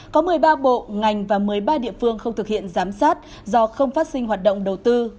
có một mươi ba bộ ngành và một mươi ba địa phương không thực hiện giám sát do không phát sinh hoạt động đầu tư